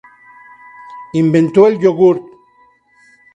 Inventó el yogurt.